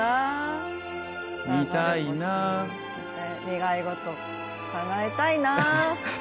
見たいな願い事かなえたいな。